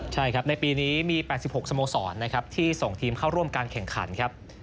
ใช่ครับในปีนี้มี๘๖สโมสรนะครับที่ส่งทีมเข้าร่วมการแข่งขันครับ